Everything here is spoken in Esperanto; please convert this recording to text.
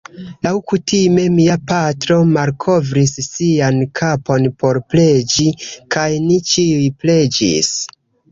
Laŭkutime mia patro malkovris sian kapon por preĝi, kaj ni ĉiuj preĝis.